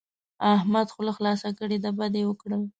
احمد خوله خلاصه کړه؛ بد يې وکړل.